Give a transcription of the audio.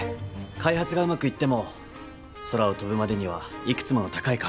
開発がうまくいっても空を飛ぶまでにはいくつもの高い壁があります。